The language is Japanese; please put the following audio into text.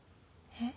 えっ？